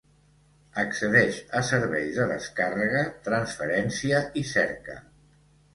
Accedeix a serveis de descàrrega, transferència i cerca.